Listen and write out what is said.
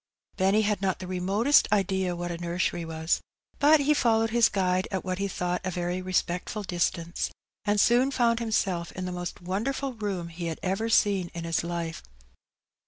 Benny had not the remotest idea what a nursery was, but he followed his guide at what he thought a very respectftd distance, aud soon found himself in the most wonderful room he had ever seen in his life.